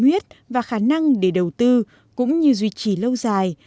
huyết và khả năng để đầu tư cũng như duy trì lâu dài